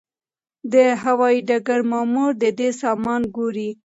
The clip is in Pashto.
د هوايي ډګر مامور د ده سامان ګوري.